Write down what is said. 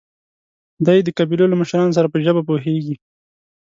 دی د قبيلو له مشرانو سره په ژبه پوهېږي.